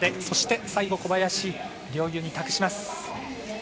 そして、最後小林陵侑に託します。